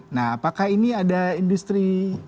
nah apakah ini ada industri